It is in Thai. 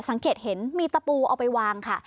สังเกตเห็นมีตะปูเอาไปวางค่ะ